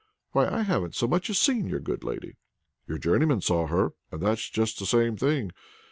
"Why I haven't so much as seen your good lady." "Your journeyman saw her, and that's just the same thing.